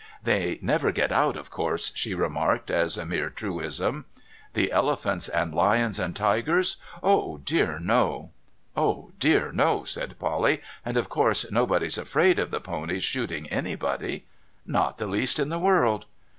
* They never get out, of course,' she remarked as a mere truism. ' The elephants and lions and tigers ? Oh, dear no !'* Oh, dear no !' said Polly. ' And of course nobody's afraid of the ponies shooting anybody.' ' Not the least in the world.'